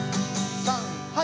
はい。